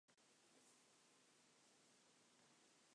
They are the Kan fibrations over a point.